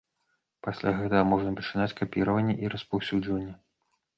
Пасля гэтага можна пачынаць капіраванне і распаўсюджванне.